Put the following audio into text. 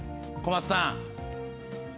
小松さん。